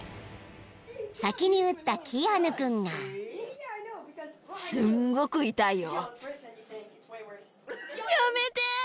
［先に打ったキアヌ君が］すんごく痛いよ。